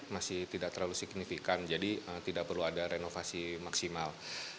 masih tidak terlalu signifikan jadi tidak perlu ada renovasi maksimal